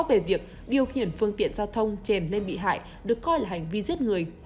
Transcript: về việc điều khiển phương tiện giao thông chèn lên bị hại được coi là hành vi giết người